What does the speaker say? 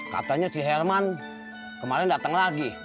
katanya si herman kemaren dateng lagi